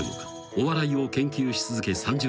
［お笑いを研究し続け３０年以上］